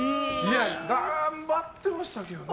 頑張ってましたけどね。